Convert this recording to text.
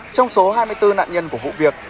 trong số hai mươi bốn nạn nhân của vụ việc